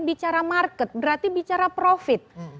bicara market berarti bicara profit